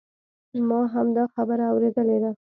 ما هم دا خبره اوریدلې ده